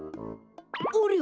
ありゃ？